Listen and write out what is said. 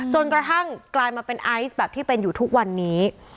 จนกระทั่งกลายมาเป็นไอซ์แบบที่เป็นอยู่ทุกวันนี้